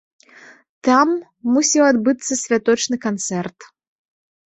Там мусіў адбыцца святочны канцэрт.